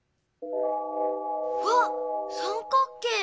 わっ三角形！